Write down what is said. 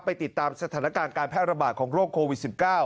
ติดตามสถานการณ์การแพร่ระบาดของโรคโควิด๑๙